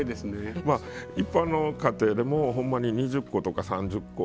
一般の家庭でも２０個とか、３０個。